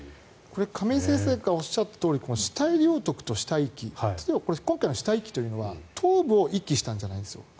亀井先生がおっしゃったとおり死体領得と死体遺棄例えば今回の死体遺棄というのは頭部を遺棄したんじゃないです。